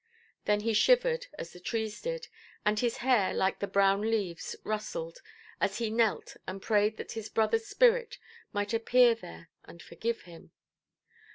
Then he shivered, as the trees did, and his hair, like the brown leaves, rustled, as he knelt and prayed that his brotherʼs spirit might appear there and forgive him.